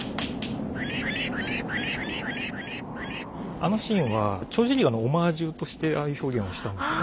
あのシーンは「鳥獣戯画」のオマージュとしてああいう表現をしたんですね。